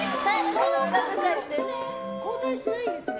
交代しないんですね。